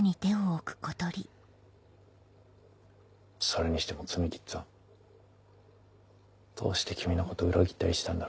それにしても摘木っつぁんどうして君のこと裏切ったりしたんだろ？